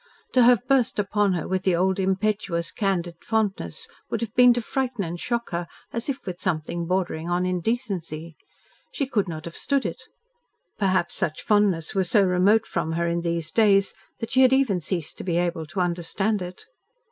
To have burst upon her with the old impetuous, candid fondness would have been to frighten and shock her as if with something bordering on indecency. She could not have stood it; perhaps such fondness was so remote from her in these days that she had even ceased to be able to understand it.